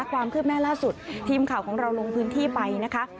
ความคืบหน้าล่าสุดทีมข่าวของเราลงพื้นที่ไปนะคะ